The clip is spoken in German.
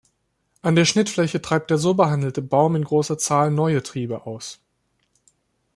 An der Schnittfläche treibt der so behandelte Baum in großer Zahl neue Triebe aus.